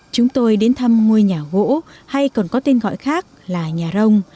chúng tôi đến thăm ngôi nhà gỗ hay còn có tên gọi khác là nhà rông